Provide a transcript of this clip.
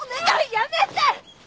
やめて！